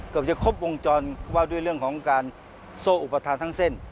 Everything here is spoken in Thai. เกือบจะครบวงจรว่าด้วยเรื่องของการโซ่อุปทานทั้งเส้น